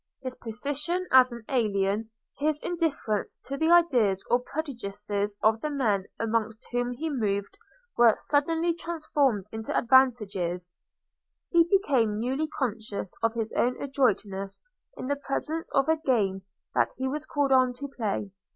His position as an alien, his indifference to the ideas or prejudices of the men amongst whom he moved, were suddenly transformed into advantages; he became newly conscious of his own adroitness in the presence of a game that he was called on to play.